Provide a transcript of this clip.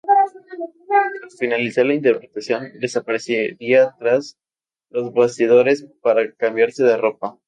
Al finalizar la interpretación, desaparecía tras los bastidores para cambiarse de ropa.